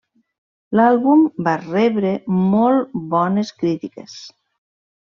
L'àlbum va rebre molt bones crítiques.